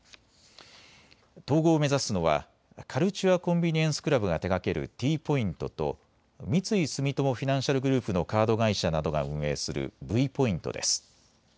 統合を目指すのはカルチュア・コンビニエンス・クラブが手がけるＴポイントと三井住友フィナンシャルグループのカード会社などが運営するＶポイントです。